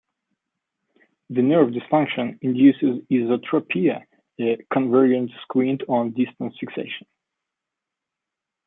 The nerve dysfunction induces esotropia, a convergent squint on distance fixation.